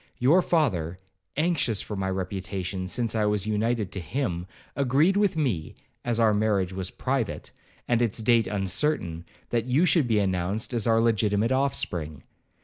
Your father, anxious for my reputation, since I was united to him, agreed with me, as our marriage was private, and its date uncertain, that you should be announced as our legitimate offspring.